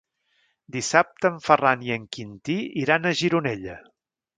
Dissabte en Ferran i en Quintí iran a Gironella.